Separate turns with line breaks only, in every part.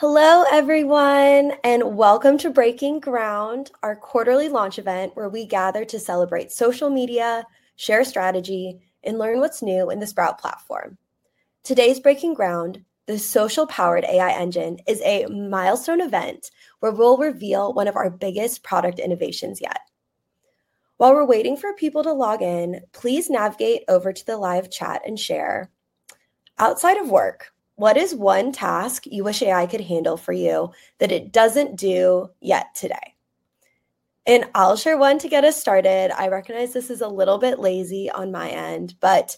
Hello, everyone, and welcome to Breaking Ground, our quarterly launch event where we gather to celebrate social media, share strategy, and learn what's new in the Sprout platform. Today's Breaking Ground, the social-powered AI engine, is a milestone event where we'll reveal one of our biggest product innovations yet. While we're waiting for people to log in, please navigate over to the live chat and share. Outside of work, what is one task you wish AI could handle for you that it doesn't do yet today? I'll share one to get us started. I recognize this is a little bit lazy on my end, but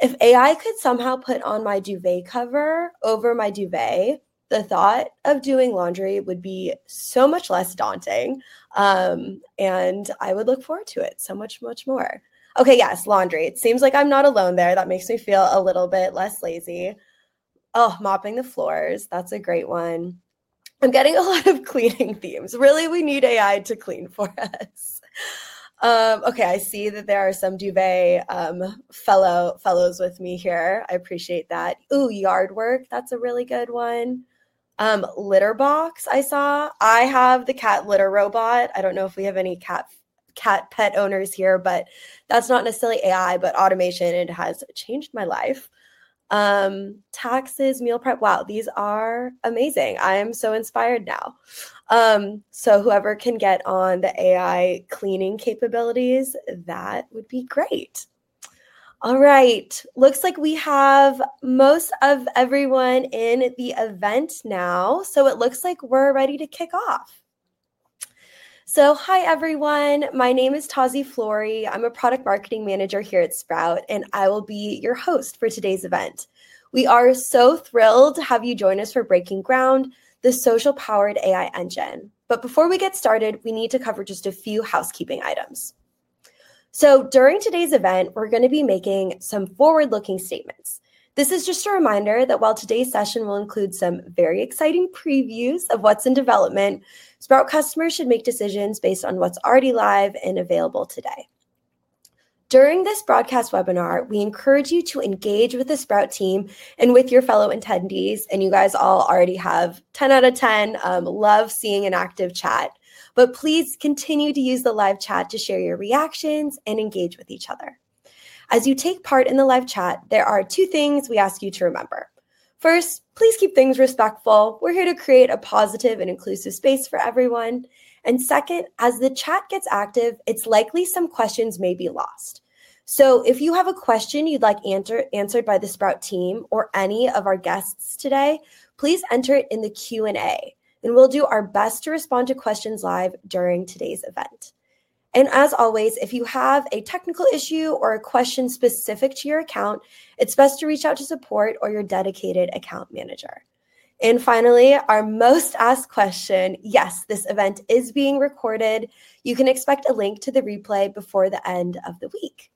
if AI could somehow put on my duvet cover over my duvet, the thought of doing laundry would be so much less daunting. I would look forward to it so much, much more. Ok, yes, laundry. It seems like I'm not alone there. That makes me feel a little bit less lazy. Oh, mopping the floors. That's a great one. I'm getting a lot of cleaning themes. Really, we need AI to clean for us. Ok, I see that there are some duvet fellows with me here. I appreciate that. Ooh, yard work. That's a really good one. Litter box, I saw. I have the cat litter robot. I don't know if we have any cat pet owners here, but that's not necessarily AI, but automation. It has changed my life. Taxes, meal prep. Wow, these are amazing. I am so inspired now. Whoever can get on the AI cleaning capabilities, that would be great. All right, looks like we have most of everyone in the event now, so it looks like we're ready to kick off. Hi, everyone. My name is Tazi Flory. I'm a Product Marketing Manager here at Sprout, and I will be your host for today's event. We are so thrilled to have you join us for Breaking Ground, the social-powered AI engine. Before we get started, we need to cover just a few housekeeping items. During today's event, we're going to be making some forward-looking statements. This is just a reminder that while today's session will include some very exciting previews of what's in development, Sprout customers should make decisions based on what's already live and available today. During this broadcast webinar, we encourage you to engage with the Sprout team and with your fellow attendees. You guys all already have 10 out of 10 love seeing an active chat. Please continue to use the live chat to share your reactions and engage with each other. As you take part in the live chat, there are two things we ask you to remember. First, please keep things respectful. We're here to create a positive and inclusive space for everyone. Second, as the chat gets active, it's likely some questions may be lost. If you have a question you'd like answered by the Sprout team or any of our guests today, please enter it in the Q&A, and we'll do our best to respond to questions live during today's event. As always, if you have a technical issue or a question specific to your account, it's best to reach out to support or your dedicated account manager. Finally, our most asked question, yes, this event is being recorded. You can expect a link to the replay before the end of the week.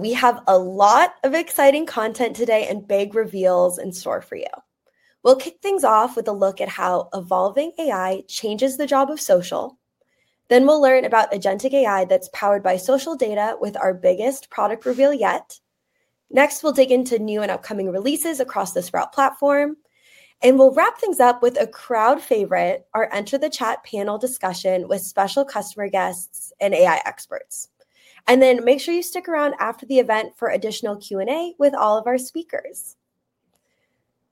We have a lot of exciting content today and big reveals in store for you. We'll kick things off with a look at how evolving AI changes the job of social. Then we'll learn agentic AI that's powered by social data with our biggest product reveal yet. Next, we'll dig into new and upcoming releases across the Sprout platform. We'll wrap things up with a crowd favorite, our enter-the-chat panel discussion with special customer guests and AI experts. Make sure you stick around after the event for additional Q&A with all of our speakers.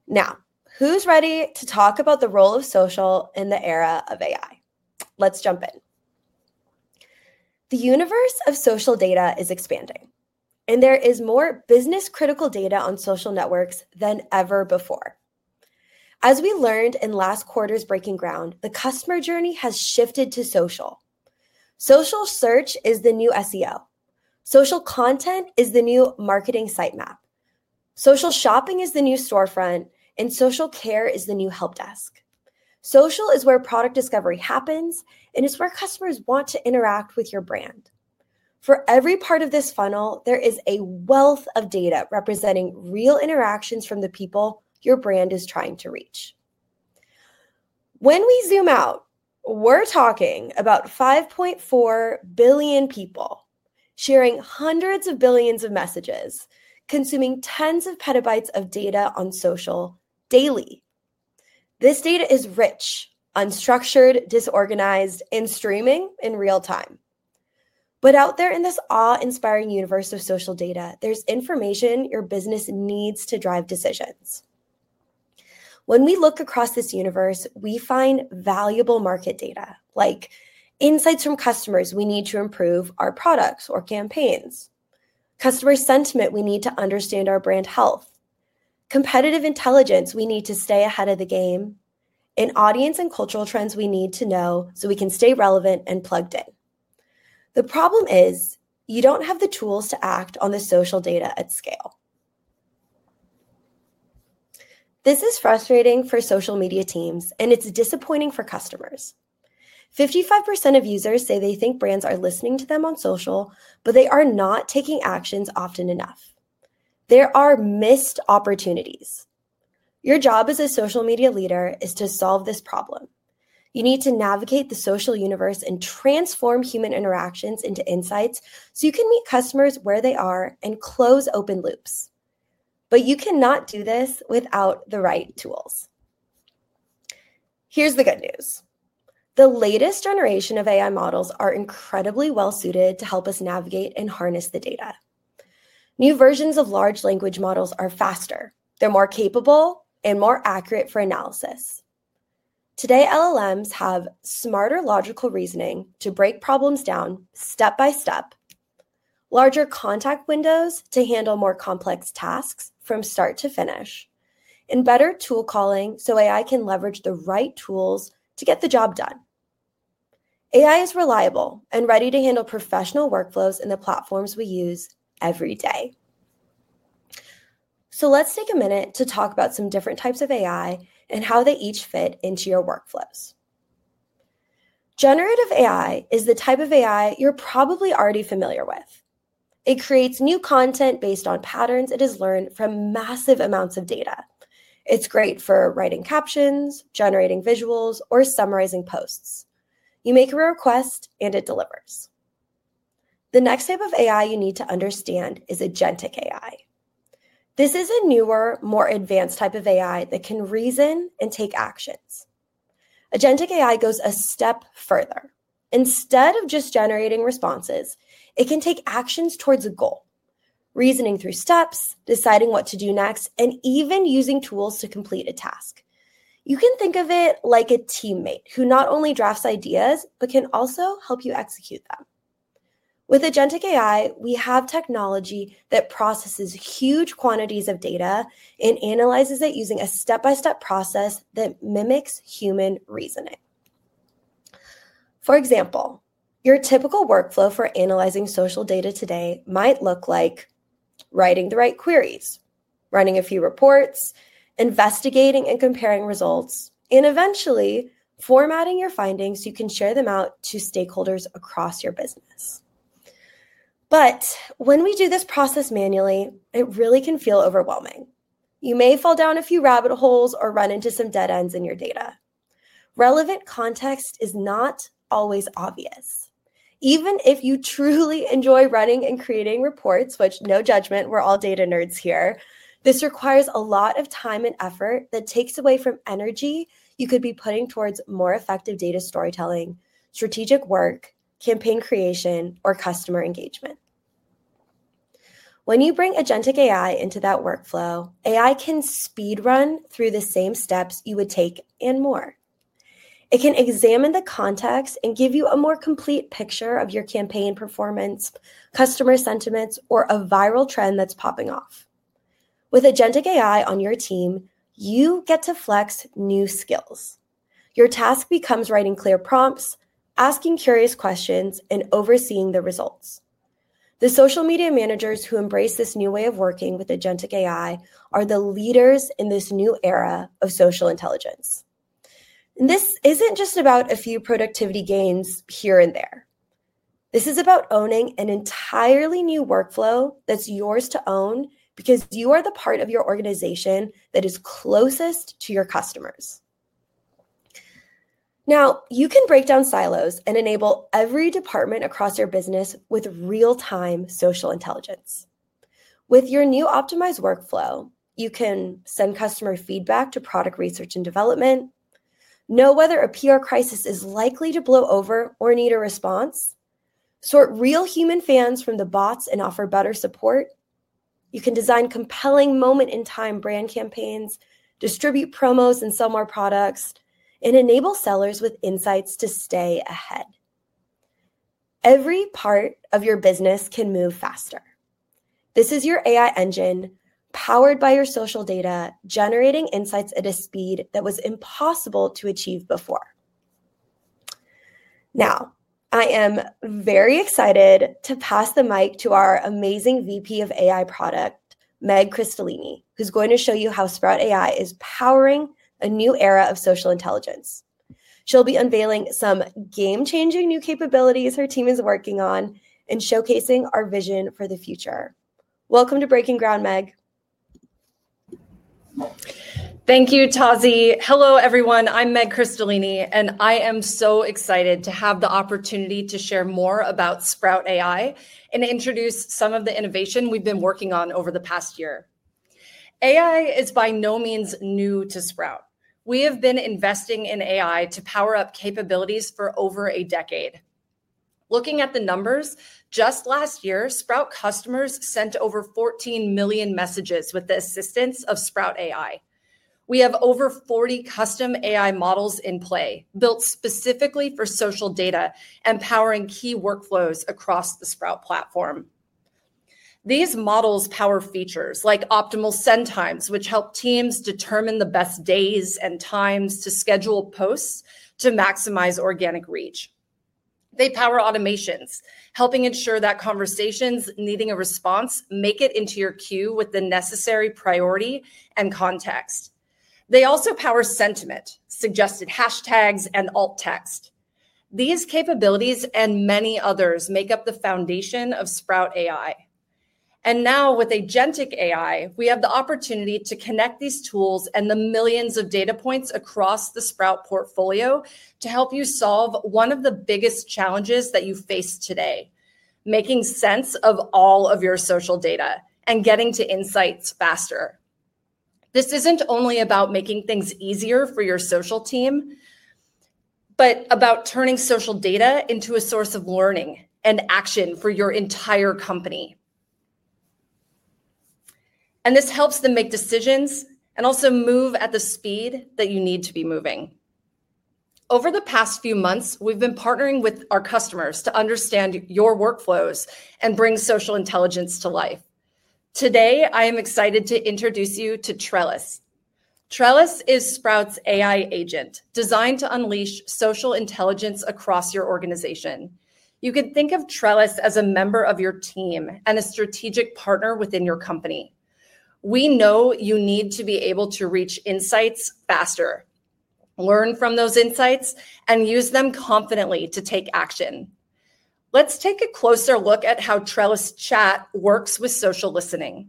Now, who's ready to talk about the role of social in the era of AI? Let's jump in. The universe of social data is expanding, and there is more business-critical data on social networks than ever before. As we learned in last quarter's Breaking Ground, the customer journey has shifted to social. Social search is the new SEO. Social content is the new marketing site map. Social shopping is the new storefront, and social care is the new help desk. Social is where product discovery happens, and it's where customers want to interact with your brand. For every part of this funnel, there is a wealth of data representing real interactions from the people your brand is trying to reach. When we zoom out, we're talking about 5.4 billion people sharing hundreds of billions of messages, consuming tens of petabytes of data on social daily. This data is rich, unstructured, disorganized, and streaming in real time. Out there in this awe-inspiring universe of social data, there's information your business needs to drive decisions. When we look across this universe, we find valuable market data, like insights from customers we need to improve our products or campaigns, customer sentiment we need to understand our brand health, competitive intelligence we need to stay ahead of the game, and audience and cultural trends we need to know so we can stay relevant and plugged in. The problem is you do not have the tools to act on the social data at scale. This is frustrating for social media teams, and it is disappointing for customers. 55% of users say they think brands are listening to them on social, but they are not taking actions often enough. There are missed opportunities. Your job as a social media leader is to solve this problem. You need to navigate the social universe and transform human interactions into insights so you can meet customers where they are and close open loops. You cannot do this without the right tools. Here's the good news. The latest generation of AI models are incredibly well-suited to help us navigate and harness the data. New versions of large language models are faster. They're more capable and more accurate for analysis. Today, LLMs have smarter logical reasoning to break problems down step by step, larger context windows to handle more complex tasks from start to finish, and better tool calling so AI can leverage the right tools to get the job done. AI is reliable and ready to handle professional workflows in the platforms we use every day. Let's take a minute to talk about some different types of AI and how they each fit into your workflows. Generative AI is the type of AI you're probably already familiar with. It creates new content based on patterns it has learned from massive amounts of data. It's great for writing captions, generating visuals, or summarizing posts. You make a request, and it delivers. The next type of AI you need to understand agentic AI. this is a newer, more advanced type of AI that can reason and take agentic AI goes a step further. Instead of just generating responses, it can take actions towards a goal, reasoning through steps, deciding what to do next, and even using tools to complete a task. You can think of it like a teammate who not only drafts ideas, but can also help you execute them. Agentic AI, we have technology that processes huge quantities of data and analyzes it using a step-by-step process that mimics human reasoning. For example, your typical workflow for analyzing social data today might look like writing the right queries, running a few reports, investigating and comparing results, and eventually formatting your findings so you can share them out to stakeholders across your business. When we do this process manually, it really can feel overwhelming. You may fall down a few rabbit holes or run into some dead ends in your data. Relevant context is not always obvious. Even if you truly enjoy running and creating reports, which no judgment, we're all data nerds here, this requires a lot of time and effort that takes away from energy you could be putting towards more effective data storytelling, strategic work, campaign creation, or customer engagement. When you agentic AI into that workflow, AI can speed run through the same steps you would take and more. It can examine the context and give you a more complete picture of your campaign performance, customer sentiments, or a viral trend that's popping off. With agentic AI on your team, you get to flex new skills. Your task becomes writing clear prompts, asking curious questions, and overseeing the results. The social media managers who embrace this new way of working with agentic AI are the leaders in this new era of social intelligence. This isn't just about a few productivity gains here and there. This is about owning an entirely new workflow that's yours to own because you are the part of your organization that is closest to your customers. Now, you can break down silos and enable every department across your business with real-time social intelligence. With your new optimized workflow, you can send customer feedback to product research and development, know whether a PR crisis is likely to blow over or need a response, sort real human fans from the bots and offer better support. You can design compelling moment-in-time brand campaigns, distribute promos and sell more products, and enable sellers with insights to stay ahead. Every part of your business can move faster. This is your AI engine powered by your social data, generating insights at a speed that was impossible to achieve before. Now, I am very excited to pass the mic to our amazing VP of AI Product, Meg Christolini, who's going to show you how Sprout AI is powering a new era of social intelligence. She'll be unveiling some game-changing new capabilities her team is working on and showcasing our vision for the future. Welcome to Breaking Ground, Meg.
Thank you, Tazi. Hello, everyone. I'm Meg Christolini, and I am so excited to have the opportunity to share more about Sprout AI and introduce some of the innovation we've been working on over the past year. AI is by no means new to Sprout. We have been investing in AI to power up capabilities for over a decade. Looking at the numbers, just last year, Sprout customers sent over 14 million messages with the assistance of Sprout AI. We have over 40 custom AI models in play built specifically for social data, empowering key workflows across the Sprout platform. These models power features like optimal send times, which help teams determine the best days and times to schedule posts to maximize organic reach. They power automations, helping ensure that conversations needing a response make it into your queue with the necessary priority and context. They also power sentiment, suggested hashtags, and alt text. These capabilities and many others make up the foundation of Sprout AI. Now, agentic AI, we have the opportunity to connect these tools and the millions of data points across the Sprout portfolio to help you solve one of the biggest challenges that you face today: making sense of all of your social data and getting to insights faster. This is not only about making things easier for your social team, but about turning social data into a source of learning and action for your entire company. This helps them make decisions and also move at the speed that you need to be moving. Over the past few months, we have been partnering with our customers to understand your workflows and bring social intelligence to life. Today, I am excited to introduce you to Trellis. Trellis is Sprout's AI agent designed to unleash social intelligence across your organization. You can think of Trellis as a member of your team and a strategic partner within your company. We know you need to be able to reach insights faster, learn from those insights, and use them confidently to take action. Let's take a closer look at how Trellis Chat works with social listening.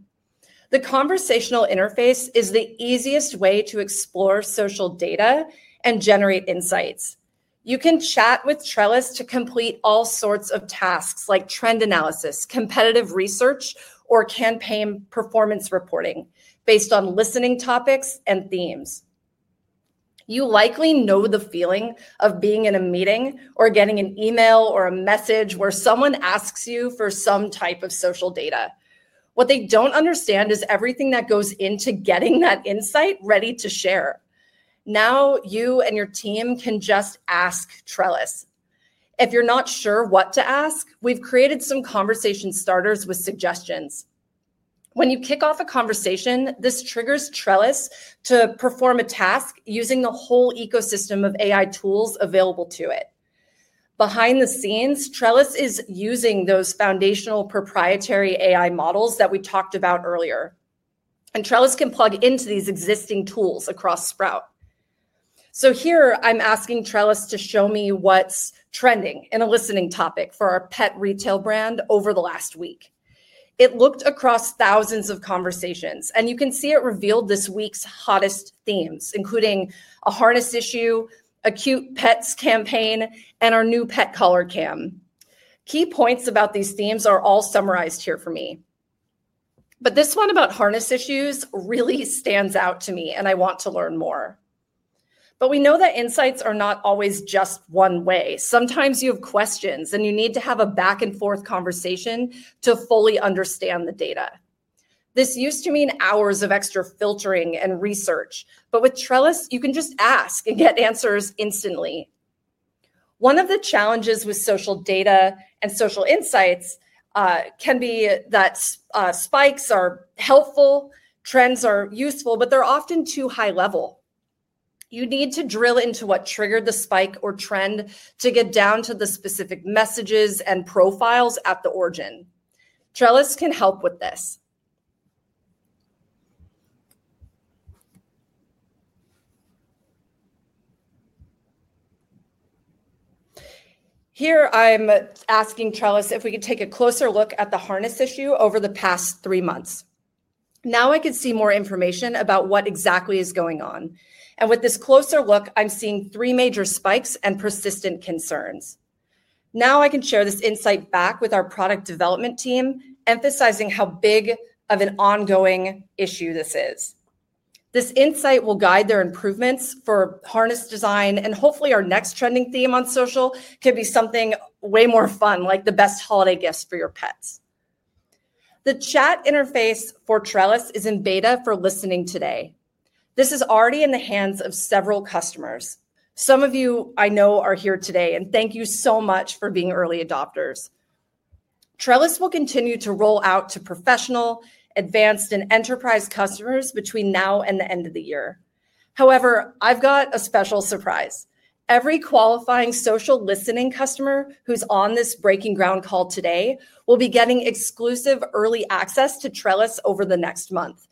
The conversational interface is the easiest way to explore social data and generate insights. You can chat with Trellis to complete all sorts of tasks like trend analysis, competitive research, or campaign performance reporting based on listening topics and themes. You likely know the feeling of being in a meeting or getting an email or a message where someone asks you for some type of social data. What they do not understand is everything that goes into getting that insight ready to share. Now, you and your team can just ask Trellis. If you're not sure what to ask, we've created some conversation starters with suggestions. When you kick off a conversation, this triggers Trellis to perform a task using the whole ecosystem of AI tools available to it. Behind the scenes, Trellis is using those foundational proprietary AI models that we talked about earlier. Trellis can plug into these existing tools across Sprout. Here, I'm asking Trellis to show me what's trending in a listening topic for our pet retail brand over the last week. It looked across thousands of conversations, and you can see it revealed this week's hottest themes, including a harness issue, a cute pets campaign, and our new pet color cam. Key points about these themes are all summarized here for me. This one about harness issues really stands out to me, and I want to learn more. We know that insights are not always just one way. Sometimes you have questions, and you need to have a back-and-forth conversation to fully understand the data. This used to mean hours of extra filtering and research, but with Trellis, you can just ask and get answers instantly. One of the challenges with social data and social insights can be that spikes are helpful, trends are useful, but they are often too high level. You need to drill into what triggered the spike or trend to get down to the specific messages and profiles at the origin. Trellis can help with this. Here, I am asking Trellis if we could take a closer look at the harness issue over the past three months. Now I can see more information about what exactly is going on. With this closer look, I'm seeing three major spikes and persistent concerns. Now I can share this insight back with our product development team, emphasizing how big of an ongoing issue this is. This insight will guide their improvements for harness design, and hopefully, our next trending theme on social can be something way more fun, like the best holiday gifts for your pets. The chat interface for Trellis is in beta for listening today. This is already in the hands of several customers. Some of you, I know, are here today, and thank you so much for being early adopters. Trellis will continue to roll out to professional, advanced, and enterprise customers between now and the end of the year. However, I've got a special surprise. Every qualifying social listening customer who's on this Breaking Ground call today will be getting exclusive early access to Trellis over the next month.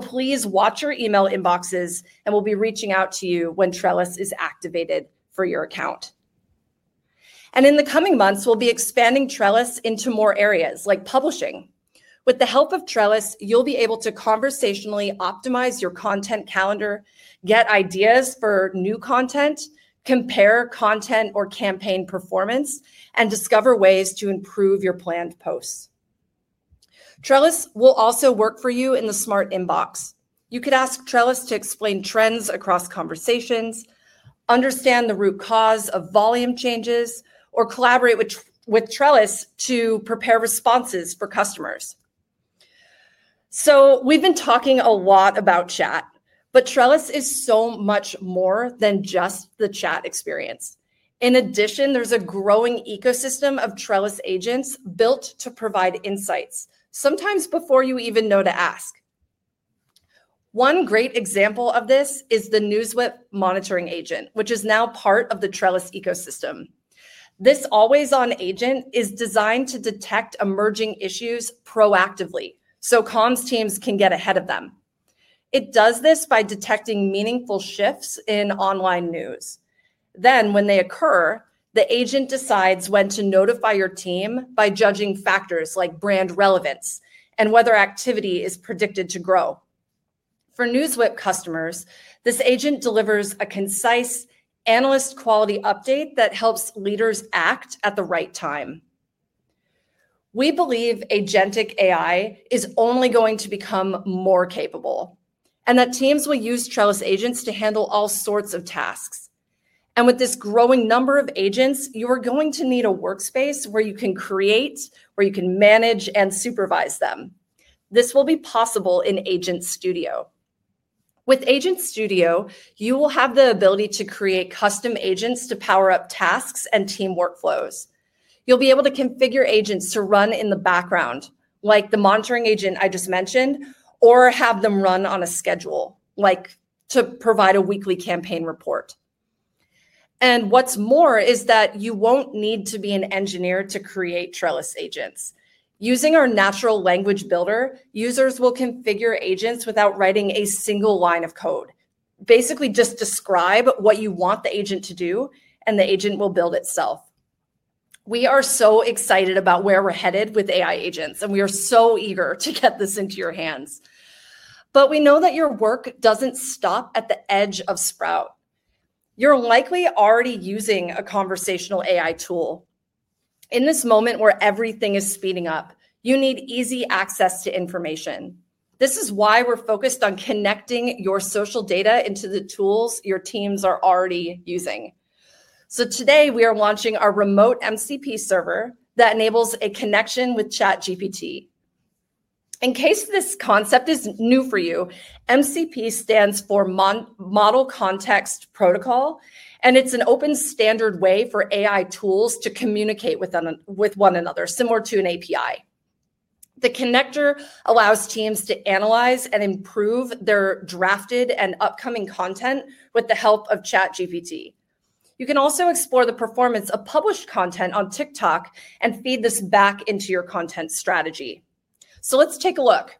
Please watch your email inboxes, and we'll be reaching out to you when Trellis is activated for your account. In the coming months, we'll be expanding Trellis into more areas like publishing. With the help of Trellis, you'll be able to conversationally optimize your content calendar, get ideas for new content, compare content or campaign performance, and discover ways to improve your planned posts. Trellis will also work for you in the Smart Inbox. You could ask Trellis to explain trends across conversations, understand the root cause of volume changes, or collaborate with Trellis to prepare responses for customers. We've been talking a lot about chat, but Trellis is so much more than just the chat experience. In addition, there's a growing ecosystem of Trellis agents built to provide insights, sometimes before you even know to ask. One great example of this is the NewsWhip Monitoring Agent, which is now part of the Trellis ecosystem. This always-on agent is designed to detect emerging issues proactively so comms teams can get ahead of them. It does this by detecting meaningful shifts in online news. When they occur, the agent decides when to notify your team by judging factors like brand relevance and whether activity is predicted to grow. For NewsWhip customers, this agent delivers a concise, analyst-quality update that helps leaders act at the right time. We agentic AI is only going to become more capable and that teams will use Trellis agents to handle all sorts of tasks. With this growing number of agents, you are going to need a workspace where you can create, where you can manage, and supervise them. This will be possible in Agent Studio. With Agent Studio, you will have the ability to create custom agents to power up tasks and team workflows. You'll be able to configure agents to run in the background, like the monitoring agent I just mentioned, or have them run on a schedule, like to provide a weekly campaign report. What's more is that you won't need to be an engineer to create Trellis agents. Using our natural language builder, users will configure agents without writing a single line of code. Basically, just describe what you want the agent to do, and the agent will build itself. We are so excited about where we're headed with AI agents, and we are so eager to get this into your hands. We know that your work doesn't stop at the edge of Sprout. You're likely already using a conversational AI tool. In this moment where everything is speeding up, you need easy access to information. This is why we're focused on connecting your social data into the tools your teams are already using. Today, we are launching our remote MCP server that enables a connection with ChatGPT. In case this concept is new for you, MCP stands for Model Context Protocol, and it's an open standard way for AI tools to communicate with one another, similar to an API. The connector allows teams to analyze and improve their drafted and upcoming content with the help of ChatGPT. You can also explore the performance of published content on TikTok and feed this back into your content strategy. Let's take a look.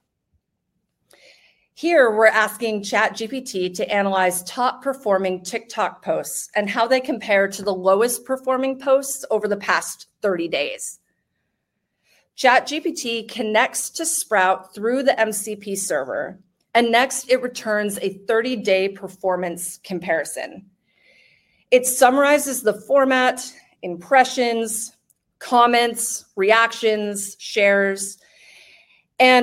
Here, we're asking ChatGPT to analyze top-performing TikTok posts and how they compare to the lowest-performing posts over the past 30 days. ChatGPT connects to Sprout through the MCP server, and next, it returns a 30-day performance comparison. It summarizes the format, impressions, comments, reactions, shares.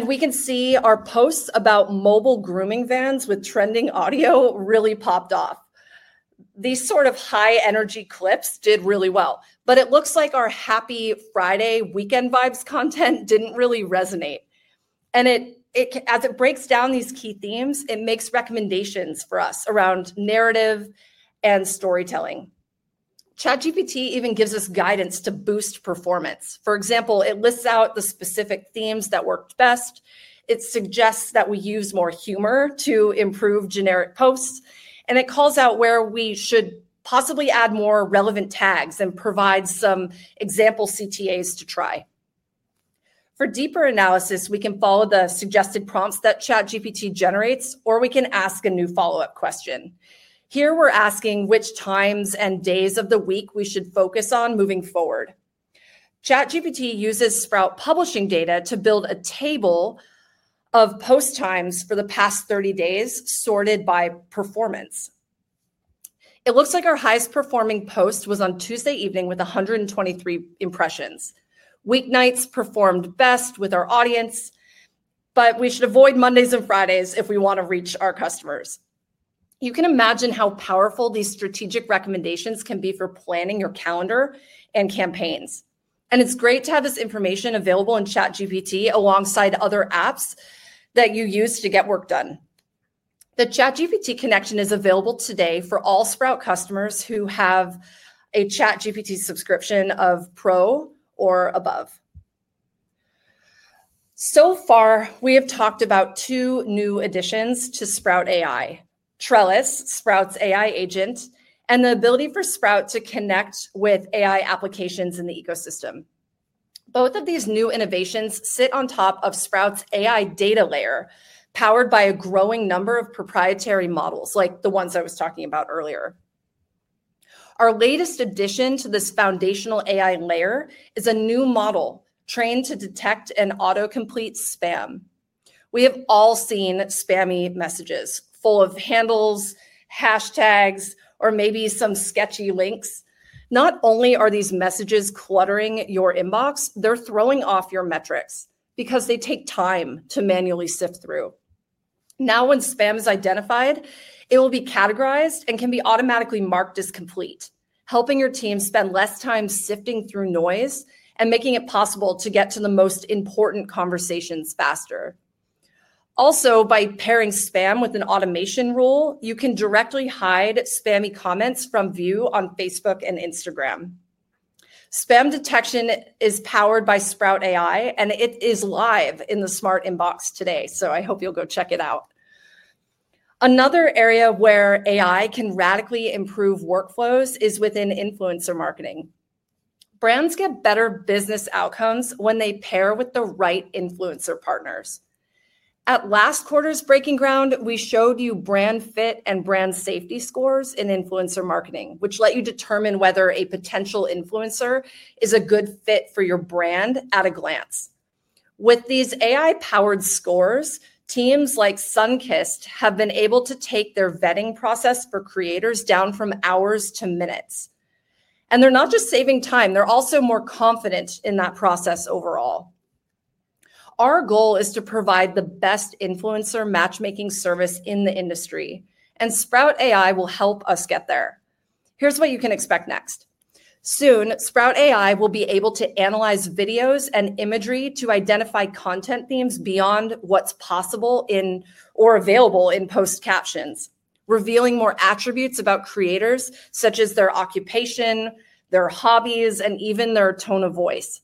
We can see our posts about mobile grooming vans with trending audio really popped off. These sort of high-energy clips did really well, but it looks like our happy Friday weekend vibes content didn't really resonate. As it breaks down these key themes, it makes recommendations for us around narrative and storytelling. ChatGPT even gives us guidance to boost performance. For example, it lists out the specific themes that worked best. It suggests that we use more humor to improve generic posts, and it calls out where we should possibly add more relevant tags and provide some example CTAs to try. For deeper analysis, we can follow the suggested prompts that ChatGPT generates, or we can ask a new follow-up question. Here, we're asking which times and days of the week we should focus on moving forward. ChatGPT uses Sprout Publishing data to build a table of post times for the past 30 days sorted by performance. It looks like our highest-performing post was on Tuesday evening with 123 impressions. Weeknights performed best with our audience, but we should avoid Mondays and Fridays if we want to reach our customers. You can imagine how powerful these strategic recommendations can be for planning your calendar and campaigns. It is great to have this information available in ChatGPT alongside other apps that you use to get work done. The ChatGPT connection is available today for all Sprout customers who have a ChatGPT subscription of Pro or above. So far, we have talked about two new additions to Sprout AI: Trellis, Sprout's AI agent, and the ability for Sprout to connect with AI applications in the ecosystem. Both of these new innovations sit on top of Sprout's AI data layer, powered by a growing number of proprietary models, like the ones I was talking about earlier. Our latest addition to this foundational AI layer is a new model trained to detect and auto-complete spam. We have all seen spammy messages full of handles, hashtags, or maybe some sketchy links. Not only are these messages cluttering your inbox, they're throwing off your metrics because they take time to manually sift through. Now, when spam is identified, it will be categorized and can be automatically marked as complete, helping your team spend less time sifting through noise and making it possible to get to the most important conversations faster. Also, by pairing spam with an automation rule, you can directly hide spammy comments from view on Facebook and Instagram. Spam detection is powered by Sprout AI, and it is live in the Smart Inbox today, so I hope you'll go check it out. Another area where AI can radically improve workflows is within influencer marketing. Brands get better business outcomes when they pair with the right influencer partners. At last quarter's Breaking Ground, we showed you brand fit and brand safety scores in influencer marketing, which let you determine whether a potential influencer is a good fit for your brand at a glance. With these AI-powered scores, teams like Sunkist have been able to take their vetting process for creators down from hours to minutes. They're not just saving time; they're also more confident in that process overall. Our goal is to provide the best influencer matchmaking service in the industry, and Sprout AI will help us get there. Here's what you can expect next. Soon, Sprout AI will be able to analyze videos and imagery to identify content themes beyond what's possible or available in post captions, revealing more attributes about creators, such as their occupation, their hobbies, and even their tone of voice.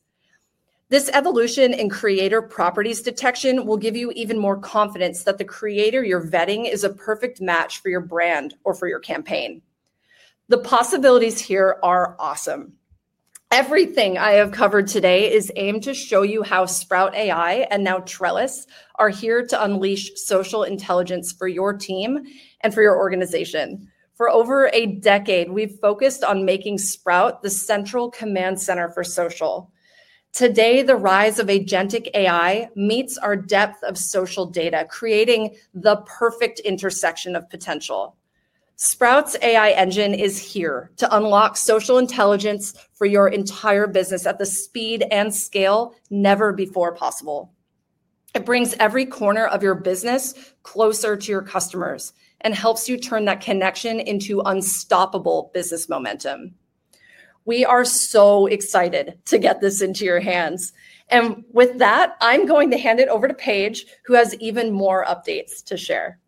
This evolution in creator properties detection will give you even more confidence that the creator you're vetting is a perfect match for your brand or for your campaign. The possibilities here are awesome. Everything I have covered today is aimed to show you how Sprout AI and now Trellis are here to unleash social intelligence for your team and for your organization. For over a decade, we've focused on making Sprout the central command center for social. Today, the rise agentic AI meets our depth of social data, creating the perfect intersection of potential. Sprout's AI engine is here to unlock social intelligence for your entire business at the speed and scale never before possible. It brings every corner of your business closer to your customers and helps you turn that connection into unstoppable business momentum. We are so excited to get this into your hands. With that, I'm going to hand it over to Paige, who has even more updates to share.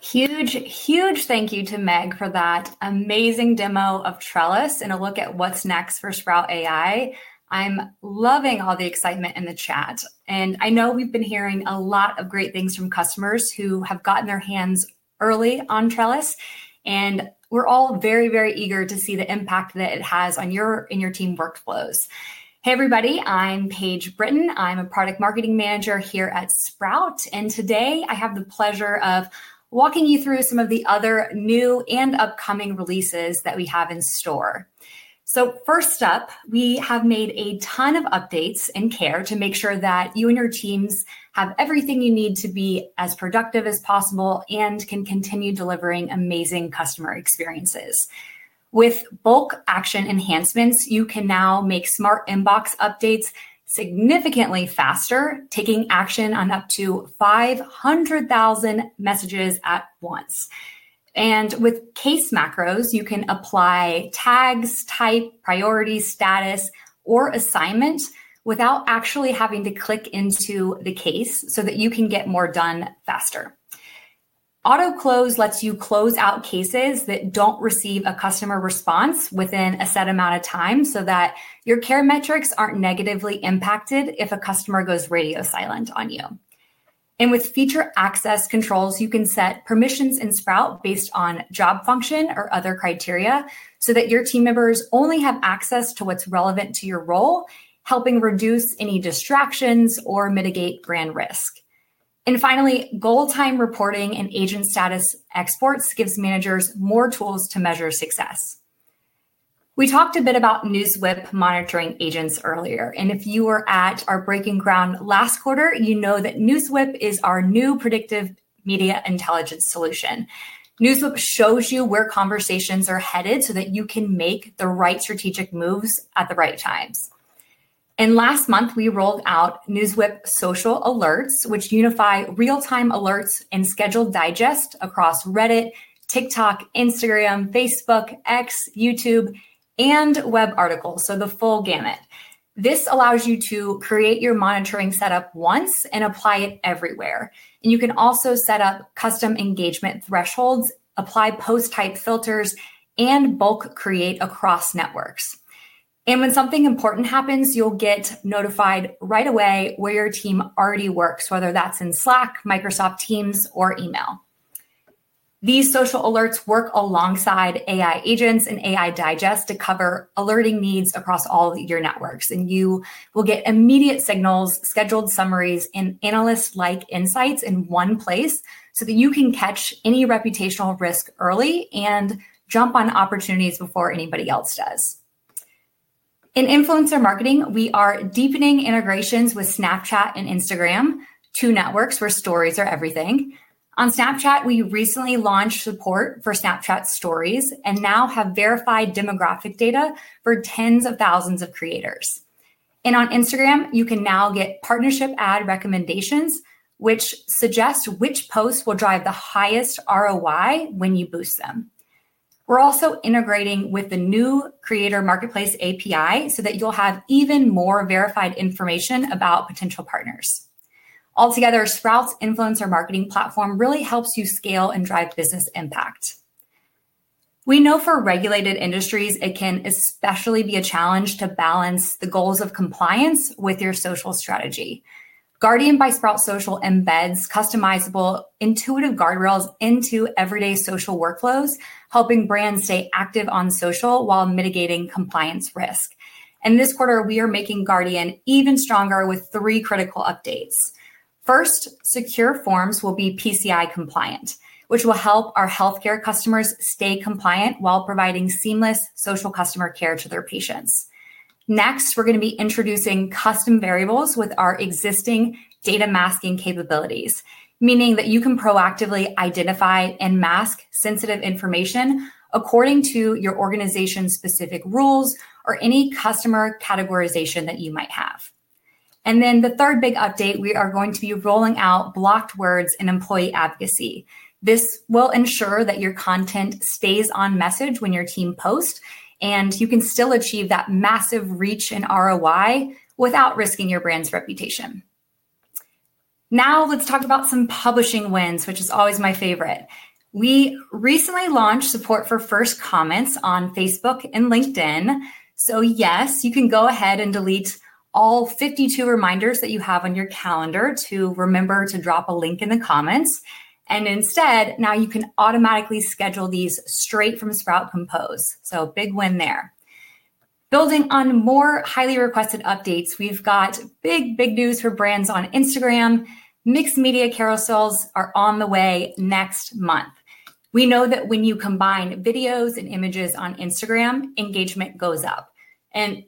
Huge, huge thank you to Meg for that amazing demo of Trellis and a look at what's next for Sprout AI. I'm loving all the excitement in the chat. I know we've been hearing a lot of great things from customers who have gotten their hands early on Trellis. We're all very, very eager to see the impact that it has on your and your team workflows. Hey, everybody. I'm Paige Britton. I'm a Product Marketing Manager here at Sprout. Today, I have the pleasure of walking you through some of the other new and upcoming releases that we have in store. First up, we have made a ton of updates and care to make sure that you and your teams have everything you need to be as productive as possible and can continue delivering amazing customer experiences. With bulk action enhancements, you can now make Smart Inbox updates significantly faster, taking action on up to 500,000 messages at once. With case macros, you can apply tags, type, priority, status, or assignment without actually having to click into the case so that you can get more done faster. Auto-close lets you close out cases that do not receive a customer response within a set amount of time so that your care metrics are not negatively impacted if a customer goes radio silent on you. With feature access controls, you can set permissions in Sprout based on job function or other criteria so that your team members only have access to what is relevant to your role, helping reduce any distractions or mitigate brand risk. Finally, goal-time reporting and agent status exports give managers more tools to measure success. We talked a bit about NewsWhip monitoring agents earlier. If you were at our Breaking Ground last quarter, you know that NewsWhip is our new predictive media intelligence solution. NewsWhip shows you where conversations are headed so that you can make the right strategic moves at the right times. Last month, we rolled out NewsWhip Social Alerts, which unify real-time alerts and scheduled digests across Reddit, TikTok, Instagram, Facebook, X, YouTube, and web articles, so the full gamut. This allows you to create your monitoring setup once and apply it everywhere. You can also set up custom engagement thresholds, apply post-type filters, and bulk create across networks. When something important happens, you'll get notified right away where your team already works, whether that's in Slack, Microsoft Teams, or email. These social alerts work alongside AI agents and AI digests to cover alerting needs across all of your networks. You will get immediate signals, scheduled summaries, and analyst-like insights in one place so that you can catch any reputational risk early and jump on opportunities before anybody else does. In influencer marketing, we are deepening integrations with Snapchat and Instagram, two networks where stories are everything. On Snapchat, we recently launched support for Snapchat Stories and now have verified demographic data for tens of thousands of creators. On Instagram, you can now get partnership ad recommendations, which suggest which posts will drive the highest ROI when you boost them. We're also integrating with the new Creator Marketplace API so that you'll have even more verified information about potential partners. Altogether, Sprout's influencer marketing platform really helps you scale and drive business impact. We know for regulated industries, it can especially be a challenge to balance the goals of compliance with your social strategy. Guardian by Sprout Social embeds customizable, intuitive guardrails into everyday social workflows, helping brands stay active on social while mitigating compliance risk. This quarter, we are making Guardian even stronger with three critical updates. First, secure forms will be PCI compliant, which will help our healthcare customers stay compliant while providing seamless social customer care to their patients. Next, we're going to be introducing custom variables with our existing data masking capabilities, meaning that you can proactively identify and mask sensitive information according to your organization's specific rules or any customer categorization that you might have. The third big update, we are going to be rolling out blocked words and employee advocacy. This will ensure that your content stays on message when your team posts, and you can still achieve that massive reach and ROI without risking your brand's reputation. Now, let's talk about some publishing wins, which is always my favorite. We recently launched support for first comments on Facebook and LinkedIn. Yes, you can go ahead and delete all 52 reminders that you have on your calendar to remember to drop a link in the comments. Instead, now you can automatically schedule these straight from Sprout Compose. Big win there. Building on more highly requested updates, we've got big, big news for brands on Instagram. Mixed media carousels are on the way next month. We know that when you combine videos and images on Instagram, engagement goes up.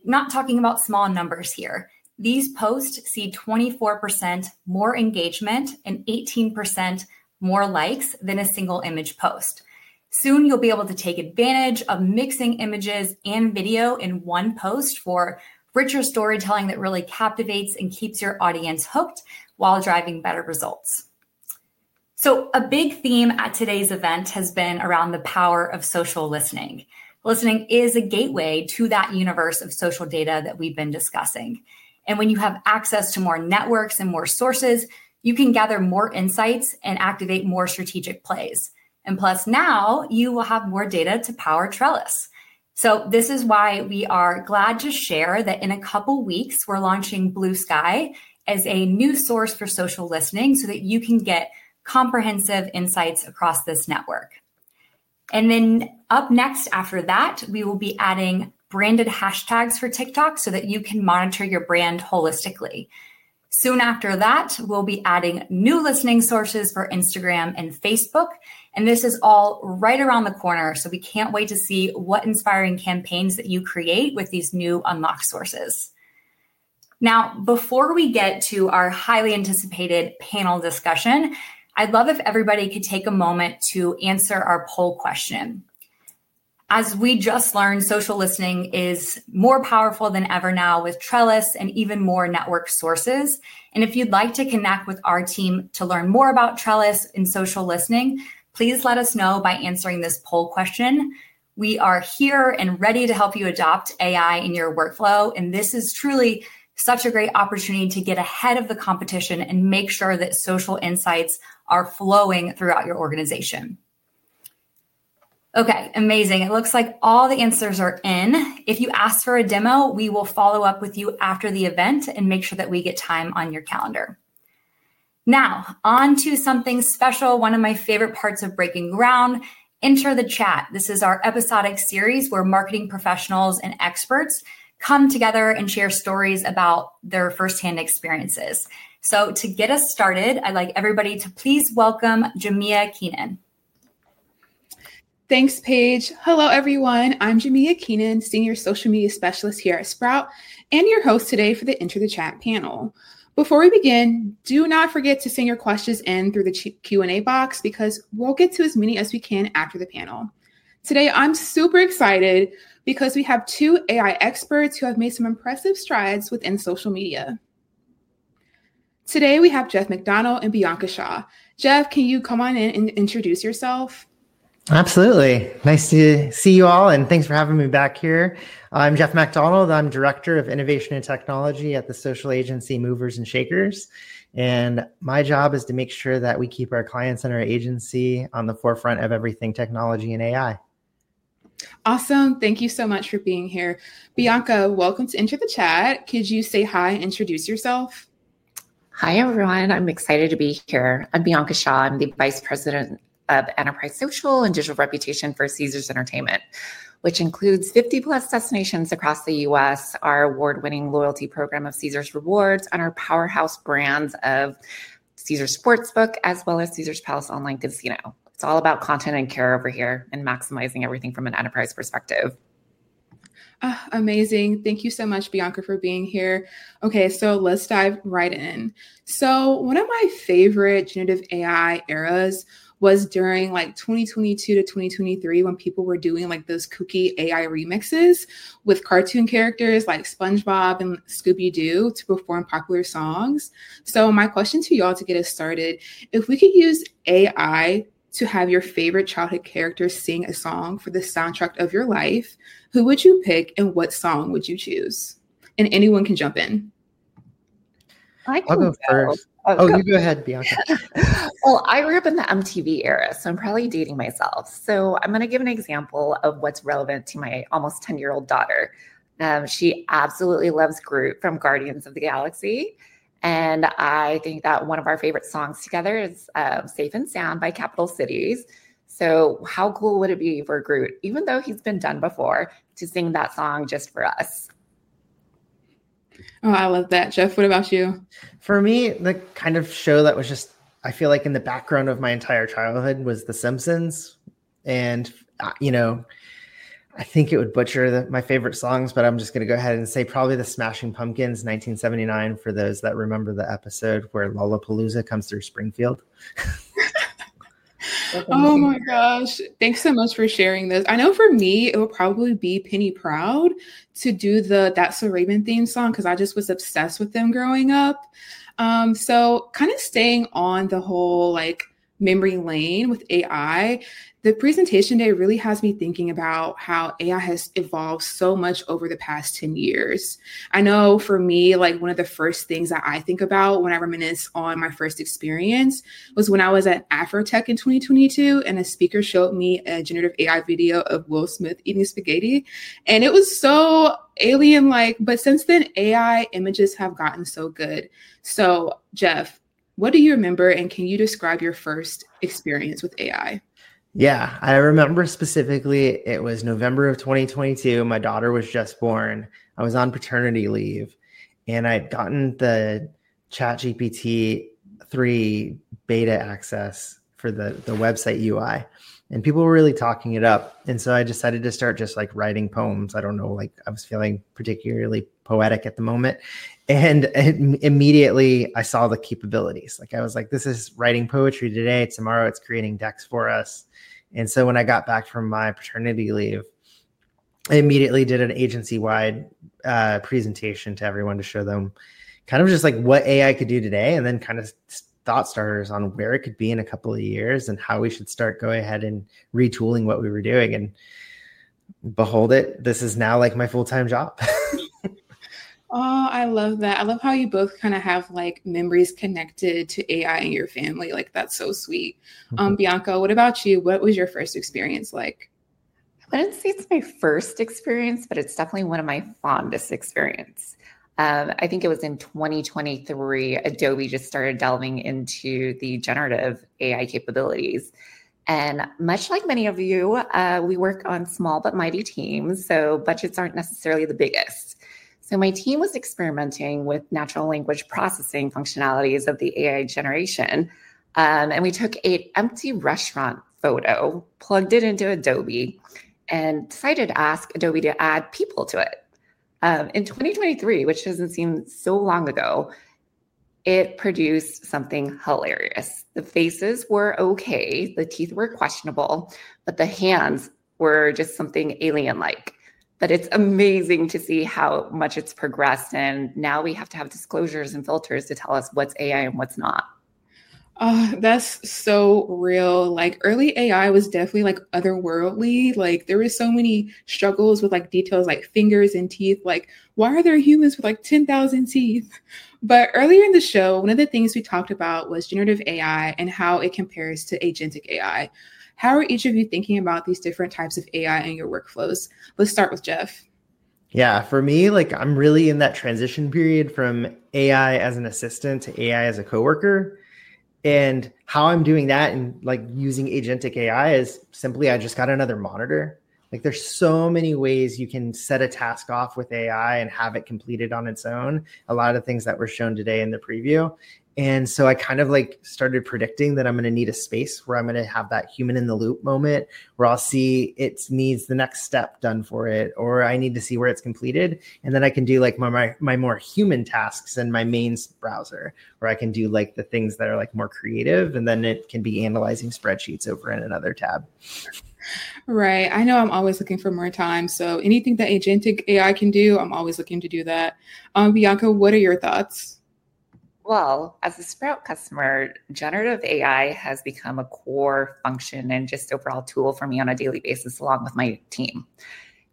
Not talking about small numbers here. These posts see 24% more engagement and 18% more likes than a single image post. Soon, you'll be able to take advantage of mixing images and video in one post for richer storytelling that really captivates and keeps your audience hooked while driving better results. A big theme at today's event has been around the power of social listening. Listening is a gateway to that universe of social data that we've been discussing. When you have access to more networks and more sources, you can gather more insights and activate more strategic plays. Plus, now you will have more data to power Trellis. This is why we are glad to share that in a couple of weeks, we're launching Bluesky as a new source for social listening so that you can get comprehensive insights across this network. Up next after that, we will be adding branded hashtags for TikTok so that you can monitor your brand holistically. Soon after that, we'll be adding new listening sources for Instagram and Facebook. This is all right around the corner, so we can't wait to see what inspiring campaigns you create with these new unlocked sources. Now, before we get to our highly anticipated panel discussion, I'd love if everybody could take a moment to answer our poll question. As we just learned, social listening is more powerful than ever now with Trellis and even more network sources. If you'd like to connect with our team to learn more about Trellis and social listening, please let us know by answering this poll question. We are here and ready to help you adopt AI in your workflow. This is truly such a great opportunity to get ahead of the competition and make sure that social insights are flowing throughout your organization. Okay, amazing. It looks like all the answers are in. If you ask for a demo, we will follow up with you after the event and make sure that we get time on your calendar. Now, on to something special, one of my favorite parts of Breaking Ground, enter the chat. This is our episodic series where marketing professionals and experts come together and share stories about their firsthand experiences. To get us started, I'd like everybody to please welcome Jamia Kenan.
Thanks, Paige. Hello, everyone. I'm Jamia Kenan, Senior Social Media Specialist here at Sprout and your host today for the Enter the Chat panel. Before we begin, do not forget to send your questions in through the Q&A box because we'll get to as many as we can after the panel. Today, I'm super excited because we have two AI experts who have made some impressive strides within social media. Today, we have Jeff MacDonald and Bianca Shaw. Jeff, can you come on in and introduce yourself?
Absolutely. Nice to see you all, and thanks for having me back here. I'm Jeff MacDonald. I'm Director of Innovation and Technology at the social agency Movers+Shakers. My job is to make sure that we keep our clients and our agency on the forefront of everything technology and AI.
Awesome. Thank you so much for being here. Bianca, welcome to Enter the Chat. Could you say hi and introduce yourself?
Hi, everyone. I'm excited to be here. I'm Bianca Shaw. I'm the Vice President of Enterprise Social and Digital Reputation for Caesars Entertainment, which includes 50+ destinations across the US, our award-winning loyalty program of Caesars Rewards, and our powerhouse brands of Caesars Sportsbook as well as Caesars Palace Online Casino. It's all about content and care over here and maximizing everything from an enterprise perspective.
Amazing. Thank you so much, Bianca, for being here. Okay, let's dive right in. One of my favorite generative AI eras was during like 2022 to 2023 when people were doing like those kooky AI remixes with cartoon characters like SpongeBob and Scooby-Doo to perform popular songs. My question to you all to get us started, if we could use AI to have your favorite childhood character sing a song for the soundtrack of your life, who would you pick and what song would you choose? Anyone can jump in.
I'll go first.
Oh, you go ahead, Bianca.
I grew up in the MTV era, so I'm probably dating myself. I'm going to give an example of what's relevant to my almost 10-year-old daughter. She absolutely loves Groot from Guardians of the Galaxy. I think that one of our favorite songs together is Safe and Sound by Capital Cities. How cool would it be for Groot, even though he's been done before, to sing that song just for us?
Oh, I love that. Jeff, what about you?
For me, the kind of show that was just, I feel like in the background of my entire childhood was The Simpsons. You know, I think it would butcher my favorite songs, but I'm just going to go ahead and say probably The Smashing Pumpkins, 1979, for those that remember the episode where Lollapalooza comes through Springfield.
Oh my gosh. Thanks so much for sharing this. I know for me, it would probably be Penny Proud to do that Soraimen-themed song because I just was obsessed with them growing up. Kind of staying on the whole memory lane with AI, the presentation day really has me thinking about how AI has evolved so much over the past 10 years. I know for me, like one of the first things that I think about when I reminisce on my first experience was when I was at AfroTech in 2022, and a speaker showed me a generative AI video of Will Smith eating spaghetti. It was so alien-like, but since then, AI images have gotten so good. Jeff, what do you remember, and can you describe your first experience with AI?
Yeah, I remember specifically it was November of 2022. My daughter was just born. I was on paternity leave, and I had gotten the ChatGPT 3 beta access for the website UI. People were really talking it up. I decided to start just like writing poems. I do not know, like I was feeling particularly poetic at the moment. Immediately, I saw the capabilities. I was like, this is writing poetry today. Tomorrow, it's creating decks for us. When I got back from my paternity leave, I immediately did an agency-wide presentation to everyone to show them kind of just like what AI could do today and then kind of thought starters on where it could be in a couple of years and how we should start going ahead and retooling what we were doing. Behold it, this is now like my full-time job.
Oh, I love that. I love how you both kind of have like memories connected to AI in your family. Like that's so sweet. Bianca, what about you? What was your first experience like?
I would not say it's my first experience, but it's definitely one of my fondest experiences. I think it was in 2023, Adobe just started delving into the generative AI capabilities. Much like many of you, we work on small but mighty teams, so budgets are not necessarily the biggest. My team was experimenting with natural language processing functionalities of the AI generation. We took an empty restaurant photo, plugged it into Adobe, and decided to ask Adobe to add people to it. In 2023, which does not seem so long ago, it produced something hilarious. The faces were okay. The teeth were questionable, but the hands were just something alien-like. It is amazing to see how much it has progressed. Now we have to have disclosures and filters to tell us what is AI and what is not.
Oh, that is so real. Early AI was definitely otherworldly. There were so many struggles with details like fingers and teeth. Like why are there humans with 10,000 teeth? Earlier in the show, one of the things we talked about was generative AI and how it compares agentic AI. how are each of you thinking about these different types of AI in your work flows? Let's start with Jeff.
Yeah, for me, like I'm really in that transition period from AI as an assistant to AI as a coworker. And how I'm doing that and like agentic AI is simply I just got another monitor. Like there's so many ways you can set a task off with AI and have it completed on its own, a lot of the things that were shown today in the preview. I kind of like started predicting that I'm going to need a space where I'm going to have that human-in-the-loop moment where I'll see it needs the next step done for it, or I need to see where it's completed. Then I can do like my more human tasks in my main browser, where I can do like the things that are like more creative, and then it can be analyzing spreadsheets over in another tab.
Right. I know I'm always looking for more time. Anything agentic AI can do, I'm always looking to do that. Bianca, what are your thoughts?
As a Sprout customer, generative AI has become a core function and just overall tool for me on a daily basis along with my team.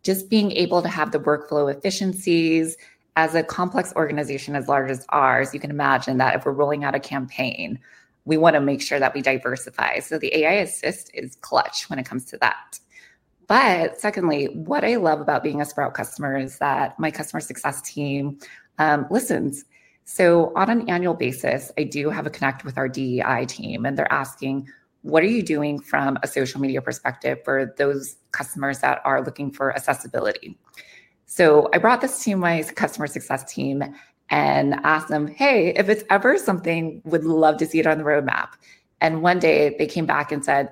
Just being able to have the workflow efficiencies as a complex organization as large as ours, you can imagine that if we're rolling out a campaign, we want to make sure that we diversify. The AI Assist is clutch when it comes to that. Secondly, what I love about being a Sprout customer is that my customer success team listens. On an annual basis, I do have a connect with our DEI team, and they're asking, what are you doing from a social media perspective for those customers that are looking for accessibility? I brought this to my customer success team and asked them, hey, if it's ever something, would love to see it on the roadmap. One day they came back and said,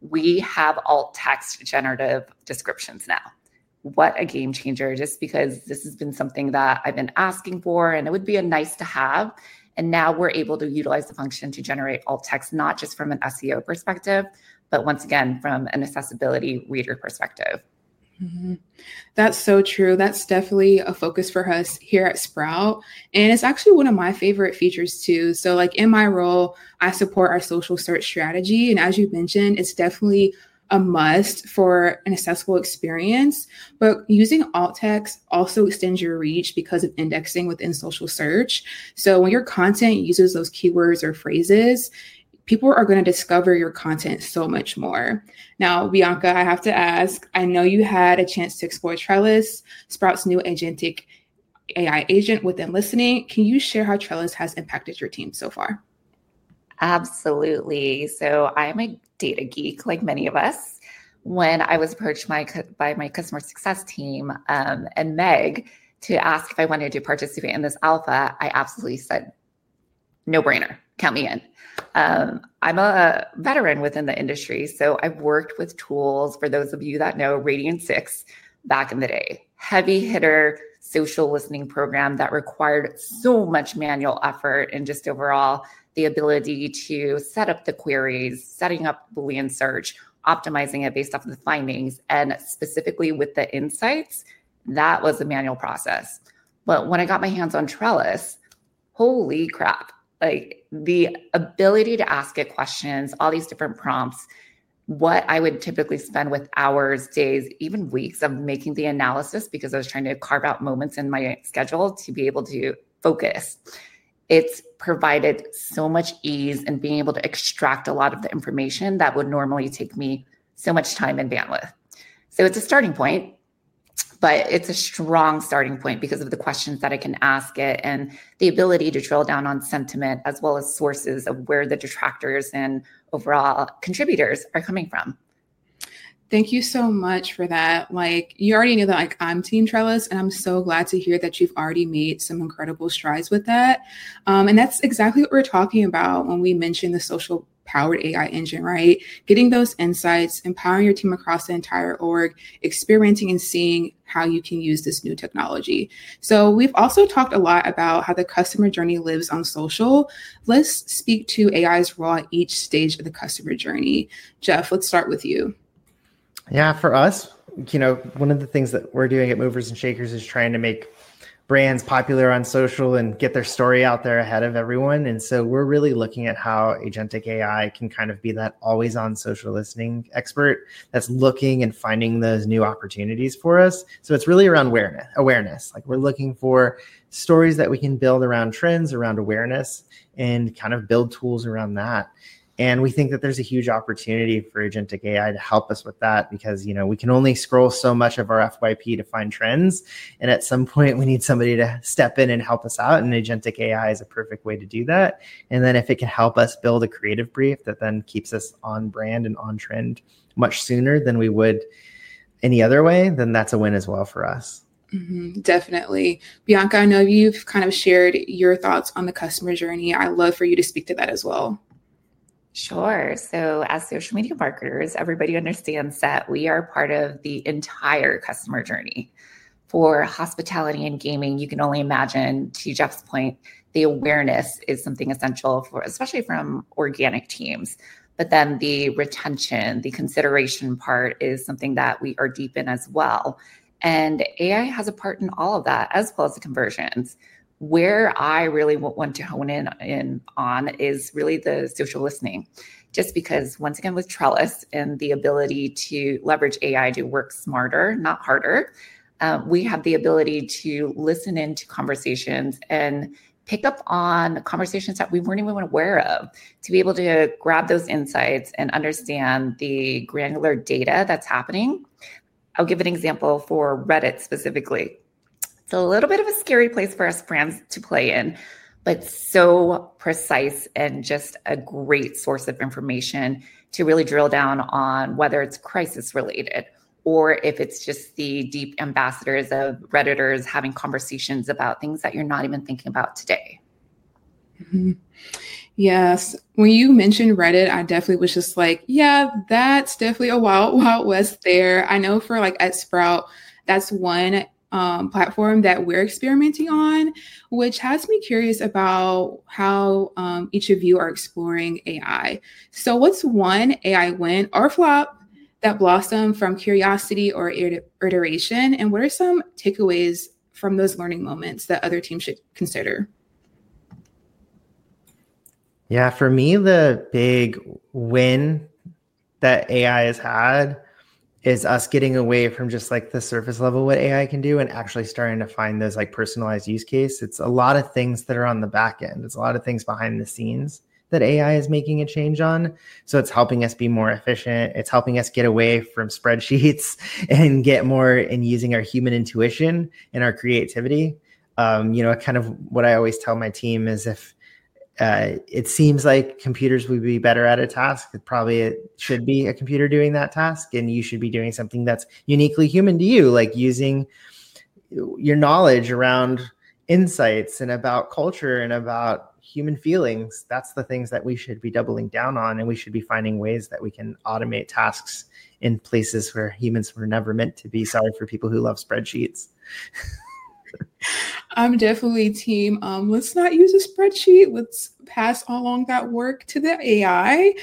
we have alt text generative descriptions now. What a game changer, just because this has been something that I've been asking for, and it would be nice to have. Now we're able to utilize the function to generate alt text, not just from an SEO perspective, but once again, from an accessibility reader perspective.
That's so true. That's definitely a focus for us here at Sprout. It's actually one of my favorite features too. Like in my role, I support our social search strategy. As you mentioned, it's definitely a must for an accessible experience. Using alt text also extends your reach because of indexing within social search. When your content uses those keywords or phrases, people are going to discover your content so much more. Now, Bianca, I have to ask, I know you had a chance to explore Trellis, Sprout's agentic AI agent within listening. Can you share how Trellis has impacted your team so far?
Absolutely. I'm a data geek like many of us. When I was approached by my customer success team and Meg to ask if I wanted to participate in this alpha, I absolutely said, no brainer, count me in. I'm a veteran within the industry, so I've worked with tools for those of you that know Radiant 6 back in the day. Heavy hitter social listening program that required so much manual effort and just overall the ability to set up the queries, setting up the Boolean search, optimizing it based off of the findings, and specifically with the insights, that was a manual process. When I got my hands on Trellis, holy crap, like the ability to ask it questions, all these different prompts, what I would typically spend hours, days, even weeks making the analysis because I was trying to carve out moments in my schedule to be able to focus. It has provided so much ease and being able to extract a lot of the information that would normally take me so much time and bandwidth. It is a starting point, but it is a strong starting point because of the questions that I can ask it and the ability to drill down on sentiment as well as sources of where the detractors and overall contributors are coming from.
Thank you so much for that. Like you already knew that I am team Trellis, and I am so glad to hear that you have already made some incredible strides with that. That is exactly what we're talking about when we mention the social-powered AI engine, right? Getting those insights, empowering your team across the entire org, experimenting and seeing how you can use this new technology. We have also talked a lot about how the customer journey lives on social. Let's speak to AI's role at each stage of the customer journey. Jeff, let's start with you.
Yeah, for us, you know one of the things that we're doing at Movers+Shakers is trying to make brands popular on social and get their story out there ahead of everyone. We are really looking at agentic AI can kind of be that always-on social listening expert that is looking and finding those new opportunities for us. It is really around awareness. Like we're looking for stories that we can build around trends, around awareness, and kind of build tools around that. We think that there's a huge opportunity agentic AI to help us with that because, you know, we can only scroll so much of our FYP to find trends. At some point, we need somebody to step in and help us agentic AI is a perfect way to do that. If it can help us build a creative brief that then keeps us on brand and on trend much sooner than we would any other way, then that's a win as well for us.
Definitely. Bianca, I know you've kind of shared your thoughts on the customer journey. I'd love for you to speak to that as well.
Sure. As social media marketers, everybody understands that we are part of the entire customer journey. For hospitality and gaming, you can only imagine, to Jeff's point, the awareness is something essential, especially from organic teams. The retention, the consideration part is something that we are deep in as well. AI has a part in all of that, as well as the conversions. Where I really want to hone in on is really the social listening. Just because once again, with Trellis and the ability to leverage AI to work smarter, not harder, we have the ability to listen into conversations and pick up on conversations that we were not even aware of, to be able to grab those insights and understand the granular data that is happening. I will give an example for Reddit specifically. It's a little bit of a scary place for us brands to play in, but so precise and just a great source of information to really drill down on whether it's crisis-related or if it's just the deep ambassadors of Redditors having conversations about things that you're not even thinking about today.
Yes. When you mentioned Reddit, I definitely was just like, yeah, that's definitely a wild west there. I know for like at Sprout, that's one platform that we're experimenting on, which has me curious about how each of you are exploring AI. What's one AI win or flop that blossomed from curiosity or iteration? What are some takeaways from those learning moments that other teams should consider?
Yeah, for me, the big win that AI has had is us getting away from just like the surface level what AI can do and actually starting to find those like personalized use cases. It's a lot of things that are on the back end. It's a lot of things behind the scenes that AI is making a change on. It's helping us be more efficient. It's helping us get away from spreadsheets and get more in using our human intuition and our creativity. You know, kind of what I always tell my team is if it seems like computers will be better at a task, it probably should be a computer doing that task. You should be doing something that's uniquely human to you, like using your knowledge around insights and about culture and about human feelings. That's the things that we should be doubling down on. We should be finding ways that we can automate tasks in places where humans were never meant to be. Sorry for people who love spreadsheets.
I'm definitely a team. Let's not use a spreadsheet. Let's pass along that work to the AI.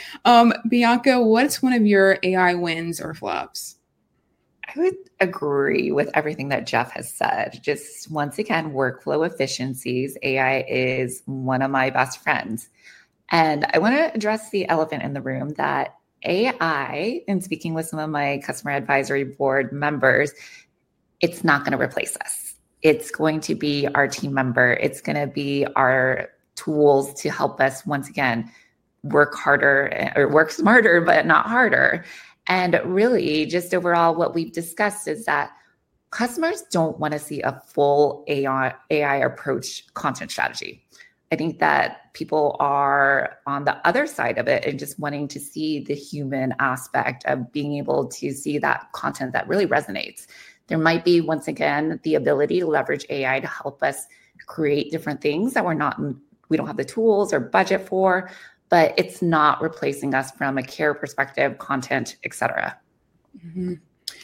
Bianca, what's one of your AI wins or flops?
I would agree with everything that Jeff has said. Just once again, workflow efficiencies. AI is one of my best friends. I want to address the elephant in the room that AI, in speaking with some of my customer advisory board members, it's not going to replace us. It's going to be our team member. It's going to be our tools to help us once again work smarter, but not harder. Really, just overall, what we've discussed is that customers don't want to see a full AI approach content strategy. I think that people are on the other side of it and just wanting to see the human aspect of being able to see that content that really resonates. There might be, once again, the ability to leverage AI to help us create different things that we do not have the tools or budget for, but it is not replacing us from a care perspective, content, et cetera.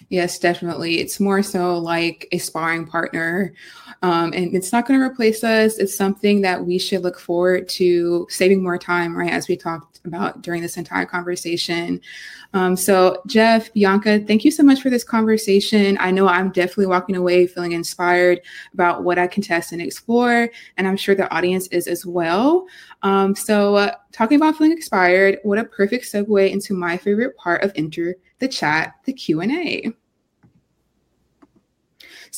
Yes, definitely. It is more so like a sparring partner. And it is not going to replace us. It is something that we should look forward to saving more time, right, as we talked about during this entire conversation. Jeff, Bianca, thank you so much for this conversation. I know I am definitely walking away feeling inspired about what I can test and explore. I am sure the audience is as well. Talking about feeling inspired, what a perfect segue into my favorite part of Enter the Chat, the Q&A.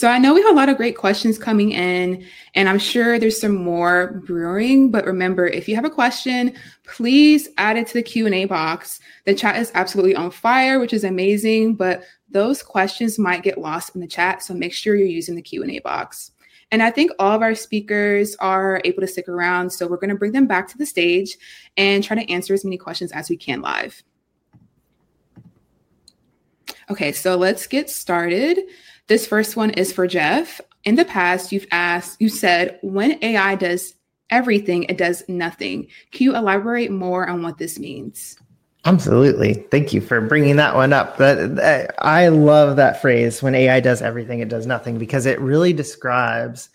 I know we have a lot of great questions coming in, and I'm sure there's some more brewing. Remember, if you have a question, please add it to the Q&A box. The chat is absolutely on fire, which is amazing, but those questions might get lost in the chat. Make sure you're using the Q&A box. I think all of our speakers are able to stick around. We're going to bring them back to the stage and try to answer as many questions as we can live. Ok, let's get started. This first one is for Jeff. In the past, you've said, when AI does everything, it does nothing. Can you elaborate more on what this means?
Absolutely. Thank you for bringing that one up. I love that phrase, when AI does everything, it does nothing, because it really describes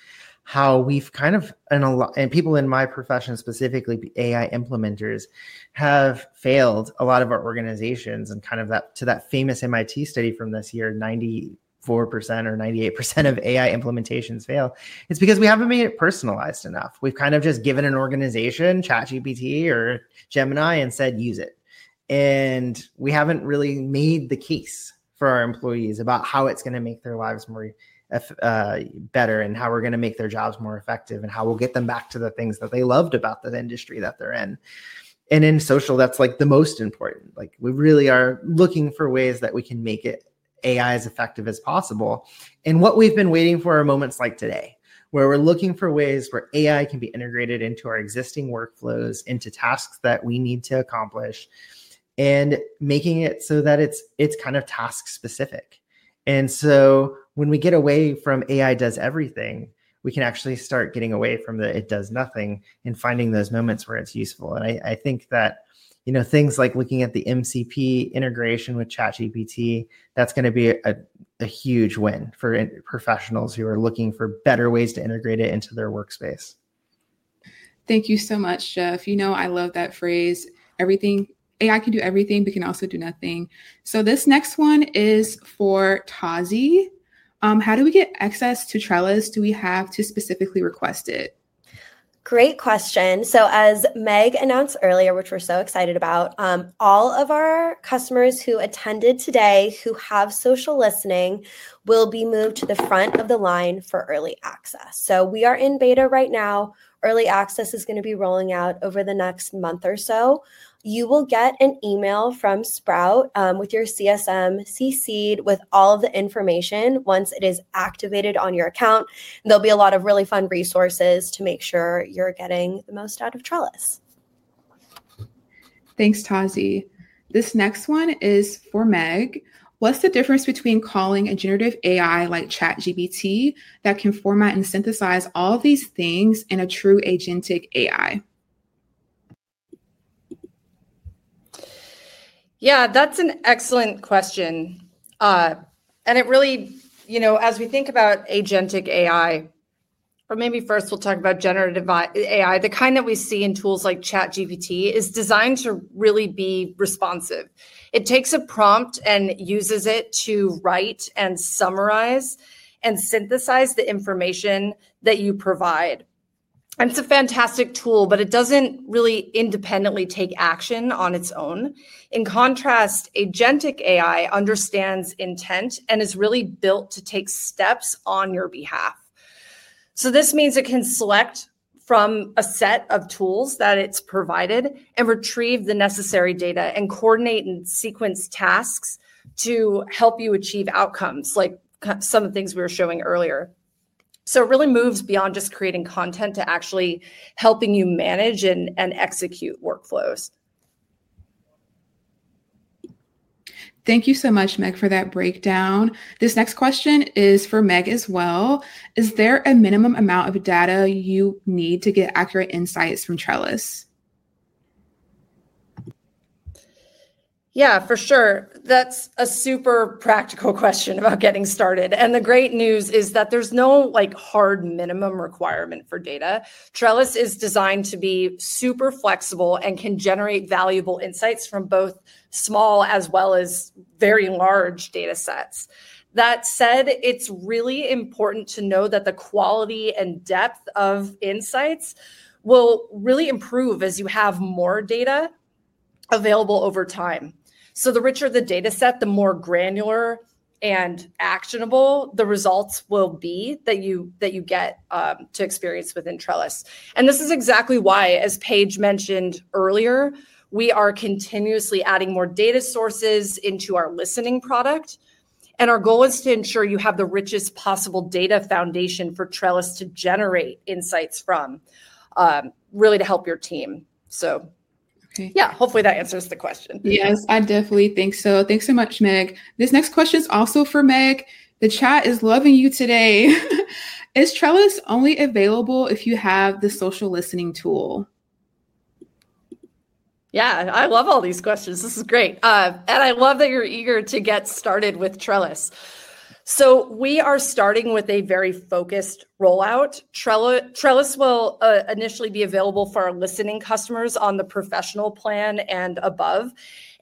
how we've kind of, and people in my profession specifically, AI implementers, have failed a lot of our organizations. Kind of to that famous MIT study from this year, 94% or 98% of AI implementations fail. It's because we haven't made it personalized enough. We've kind of just given an organization, ChatGPT or Gemini, and said, use it. We haven't really made the case for our employees about how it's going to make their lives better and how we're going to make their jobs more effective and how we'll get them back to the things that they loved about the industry that they're in. In social, that's like the most important. Like we really are looking for ways that we can make AI as effective as possible. What we've been waiting for are moments like today, where we're looking for ways where AI can be integrated into our existing workflows, into tasks that we need to accomplish, and making it so that it's kind of task specific. When we get away from AI does everything, we can actually start getting away from the it does nothing and finding those moments where it's useful. I think that, you know, things like looking at the MCP integration with ChatGPT, that's going to be a huge win for professionals who are looking for better ways to integrate it into their workspace.
Thank you so much, Jeff. You know, I love that phrase. AI can do everything, but can also do nothing. This next one is for Tazi. How do we get access to Trellis? Do we have to specifically request it?
Great question. As Meg announced earlier, which we're so excited about, all of our customers who attended today who have social listening will be moved to the front of the line for early access. We are in beta right now. Early access is going to be rolling out over the next month or so. You will get an email from Sprout with your CSM CCed with all of the information once it is activated on your account. There will be a lot of really fun resources to make sure you're getting the most out of Trellis.
Thanks, Tazi. This next one is for Meg. What's the difference between calling a generative AI like ChatGPT that can format and synthesize all these things and a true agentic AI?
Yeah, that's an excellent question. It really, you know, as we think agentic AI, or maybe first we'll talk about generative AI, the kind that we see in tools like ChatGPT, is designed to really be responsive. It takes a prompt and uses it to write and summarize and synthesize the information that you provide. It's a fantastic tool, but it doesn't really independently take action on its own. In agentic AI understands intent and is really built to take steps on your behalf. This means it can select from a set of tools that it's provided and retrieve the necessary data and coordinate and sequence tasks to help you achieve outcomes, like some of the things we were showing earlier. It really moves beyond just creating content to actually helping you manage and execute workflows.
Thank you so much, Meg, for that breakdown. This next question is for Meg as well. Is there a minimum amount of data you need to get accurate insights from Trellis?
Yeah, for sure. That's a super practical question about getting started. The great news is that there's no hard minimum requirement for data. Trellis is designed to be super flexible and can generate valuable insights from both small as well as very large data sets. That said, it's really important to know that the quality and depth of insights will really improve as you have more data available over time. The richer the data set, the more granular and actionable the results will be that you get to experience within Trellis. This is exactly why, as Paige mentioned earlier, we are continuously adding more data sources into our listening product. Our goal is to ensure you have the richest possible data foundation for Trellis to generate insights from, really to help your team. Yeah, hopefully that answers the question. Yes, I definitely think so.
Thanks so much, Meg. This next question is also for Meg. The chat is loving you today. Is Trellis only available if you have the social listening tool?
Yeah, I love all these questions. This is great. I love that you're eager to get started with Trellis. We are starting with a very focused rollout. Trellis will initially be available for our listening customers on the professional plan and above.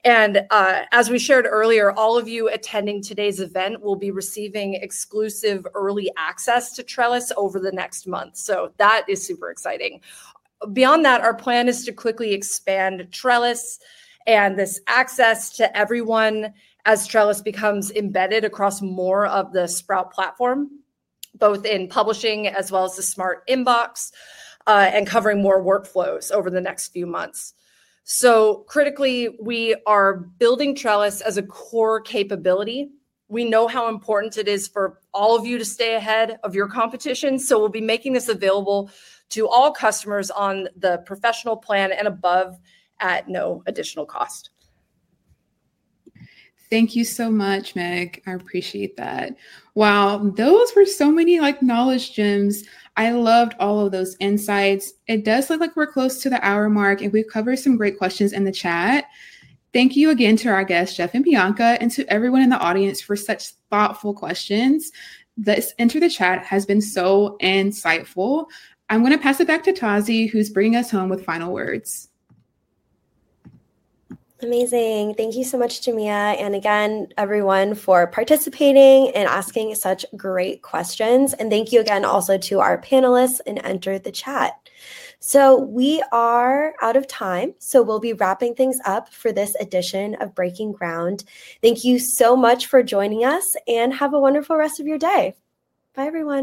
As we shared earlier, all of you attending today's event will be receiving exclusive early access to Trellis over the next month. That is super exciting. Beyond that, our plan is to quickly expand Trellis and this access to everyone as Trellis becomes embedded across more of the Sprout platform, both in publishing as well as the Smart Inbox and covering more workflows over the next few months. Critically, we are building Trellis as a core capability. We know how important it is for all of you to stay ahead of your competition. We will be making this available to all customers on the professional plan and above at no additional cost.
Thank you so much, Meg. I appreciate that. Wow, those were so many knowledge gems. I loved all of those insights. It does look like we are close to the hour mark. We have covered some great questions in the chat. Thank you again to our guests, Jeff and Bianca, and to everyone in the audience for such thoughtful questions. This Enter the Chat has been so insightful. I'm going to pass it back to Tazi, who's bringing us home with final words.
Amazing. Thank you so much, Jamia. And again, everyone, for participating and asking such great questions. Thank you again also to our panelists in Enter the Chat. We are out of time. We'll be wrapping things up for this edition of Breaking Ground. Thank you so much for joining us. Have a wonderful rest of your day. Bye, everyone.